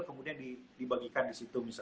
kemudian dibagikan di situ